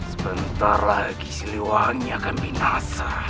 sebentar lagi siliwangi akan binasa